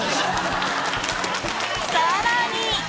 さらに！